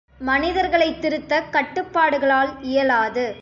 மனிதர்களைத் திருத்தக் கட்டுப்பாடுகளால் இயலாது.